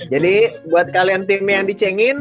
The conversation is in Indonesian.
jadi buat kalian timnya yang di cengkin